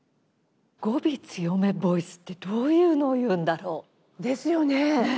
語尾強めボイスってどういうのをいうんだろう？ですよね！